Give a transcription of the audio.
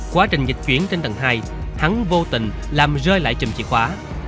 quá trình dịch chuyển trên tầng hai hắn vô tình làm rơi lại chùm chìa khóa